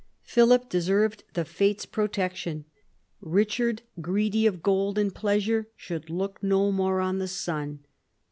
Philip deserved the Fates' pro tection. Richard, greedy of gold and pleasure, should look no more on the sun.